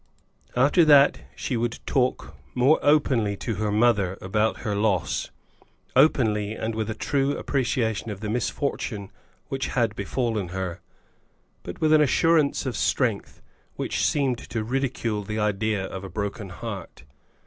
After that she would talk more openly to her mother about her loss, openly and with a true appreciation of the misfortune which had befallen her; but with an assurance of strength which seemed to ridicule the idea of a broken heart.